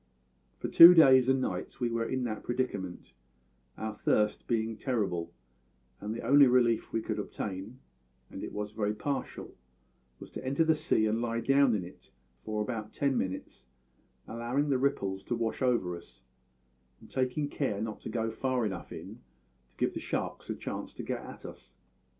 "For two days and nights we were in that predicament, our thirst being terrible, and the only relief we could obtain and it was very partial was to enter the sea and lie down in it for about ten minutes, allowing the ripples to wash over us, and taking care not to go far enough in to give the sharks a chance to get at us.